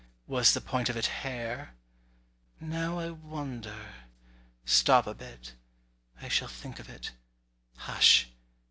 Was the point of it "hair?" Now I wonder! Stop a bit—I shall think of it—hush!